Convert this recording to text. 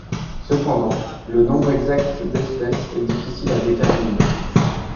Cependant, le nombre exact d'espèces est difficile à déterminer.